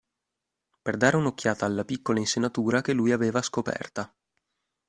Per dare un'occhiata alla piccola insenatura che lui aveva scoperta.